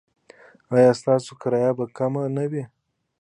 ایا ستاسو کرایه به کمه نه وي؟